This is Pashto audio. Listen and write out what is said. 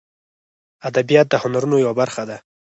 ادبیات د هنرونو یوه برخه ده